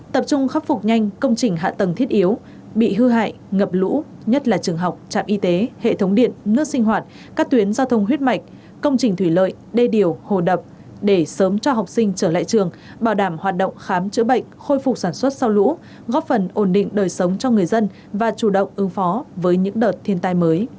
tập trung khắc phục nhanh công trình hạ tầng thiết yếu bị hư hại ngập lũ nhất là trường học trạm y tế hệ thống điện nước sinh hoạt các tuyến giao thông huyết mạch công trình thủy lợi đê điều hồ đập để sớm cho học sinh trở lại trường bảo đảm hoạt động khám chữa bệnh khôi phục sản xuất sau lũ góp phần ổn định đời sống cho người dân và chủ động ứng phó với những đợt thiên tai mới